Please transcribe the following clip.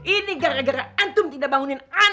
ini gara gara antum tidak bangunin